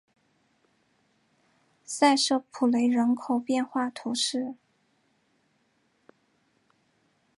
塞舍普雷人口变化图示